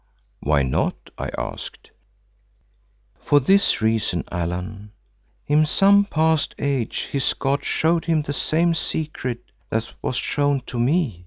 "Why not?" I asked. "For this reason, Allan. In some past age his god showed him the same secret that was shown to me.